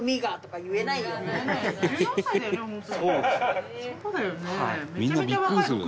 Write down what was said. そうだよね。